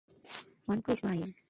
One two smile!